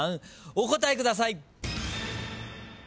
お答えください。